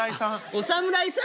お侍さん。